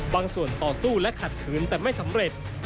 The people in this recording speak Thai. บางส่วนต่อสู้และขัดขืนแต่ไม่สำเร็จ